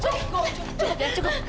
cukup cukup cukup ya